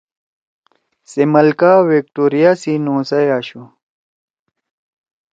سے ملکہ وکٹوریہ سی نوسَئی آشُو